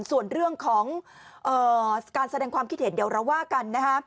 ส่วนเรื่องของการแสดงความคิดเห็นเดี๋ยวเราว่ากันนะฮะ